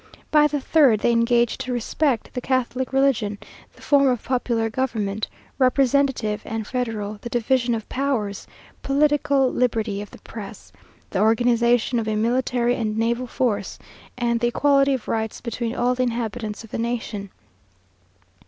By the third, they engage to respect the Catholic religion, the form of popular government, representative and federal, the division of powers, political liberty of the press, the organization of a military and naval force, and the equality of rights between all the inhabitants of the nation.